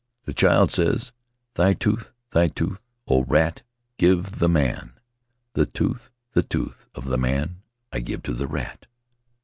The child says: "Thy tooth, thy tooth, O rat, give to the man; The tooth, the tooth of the man, I give to the rat."